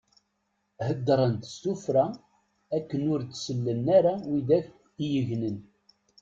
Heddṛent s tuffra akken ur d-sellen ara widak i yegnen.